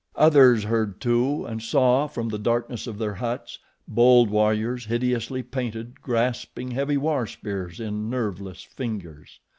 Others heard, too, and saw, from the darkness of their huts bold warriors, hideously painted, grasping heavy war spears in nerveless fingers.